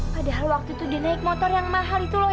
padahal waktu itu dia naik motor yang mahal itu loh